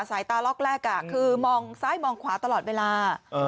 สายตาล็อกแรกคือมองซ้ายมองขวาตลอดเวลา